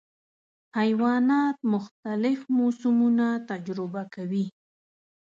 حیوانات مختلف موسمونه تجربه کوي.